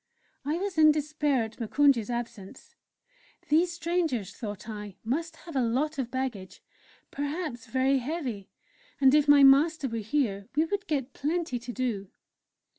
I was in despair at Moukounj's absence. These strangers, thought I, must have a lot of baggage, perhaps very heavy, and if my master were here we would get plenty to do.